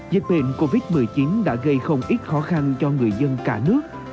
dịch bệnh covid một mươi chín đã gây không ít khó khăn cho người dân cả nước